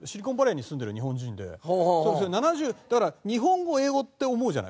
７０だから日本語英語って思うじゃない？